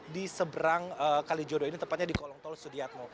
di seberang kalijodo ini tepatnya di kolong tol sudiatmo